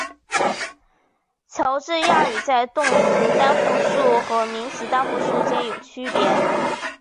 乔治亚语在动词单复数和名词单复数间有些区别。